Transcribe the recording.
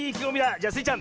じゃあスイちゃん